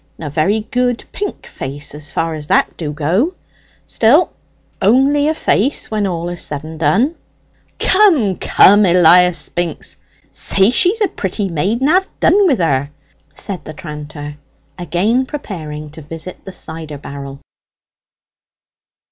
A very good pink face, as far as that do go. Still, only a face, when all is said and done." "Come, come, Elias Spinks, say she's a pretty maid, and have done wi' her," said the tranter, again preparing to visit the cider barrel.